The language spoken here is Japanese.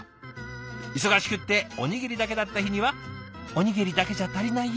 忙しくっておにぎりだけだった日には「おにぎりだけじゃたりないよ」。